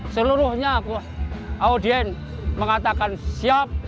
seluruhnya audien mengatakan siap